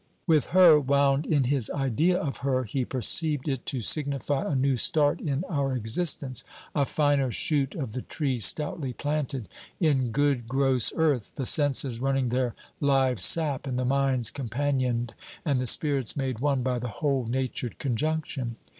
With her, wound in his idea of her, he perceived it to signify a new start in our existence, a finer shoot of the tree stoutly planted in good gross earth; the senses running their live sap, and the minds companioned, and the spirits made one by the whole natured conjunction.